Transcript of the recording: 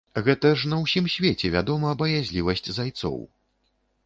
Гэта ж на ўсім свеце вядома баязлівасць зайцоў.